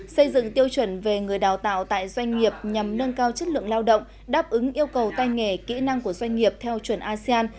xây dựng tiêu chuẩn về người đào tạo tại doanh nghiệp nhằm nâng cao chất lượng lao động đáp ứng yêu cầu tay nghề kỹ năng của doanh nghiệp theo chuẩn asean